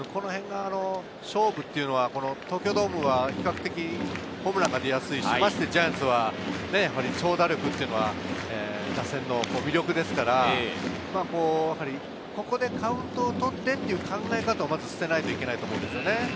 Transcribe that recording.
勝負というのは東京ドームは比較的ホームランが出やすいですし、ジャイアンツは長打力が打線の魅力ですから、ここでカウントを取ってという考え方をまず捨てないといけないと思うんですよね。